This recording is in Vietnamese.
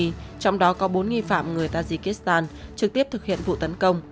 trong đó có bốn nghi phạm người tajikistan trực tiếp thực hiện vụ tấn công